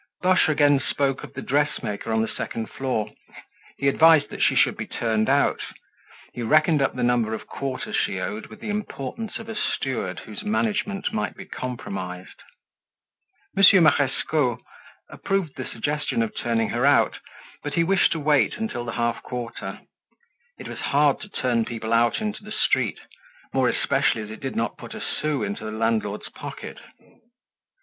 Boche again spoke of the dressmaker on the second floor; he advised that she should be turned out; he reckoned up the number of quarters she owed with the importance of a steward whose management might be compromised. Monsieur Marescot approved the suggestion of turning her out, but he wished to wait till the half quarter. It was hard to turn people out into the street, more especially as it did not put a sou into the landlord's pocket.